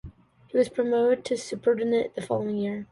He was promoted to superintendent the following year.